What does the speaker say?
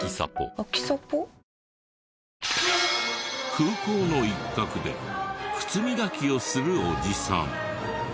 空港の一角で靴磨きをするおじさん。